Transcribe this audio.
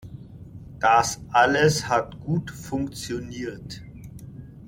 Das alles hat gut funktioniert.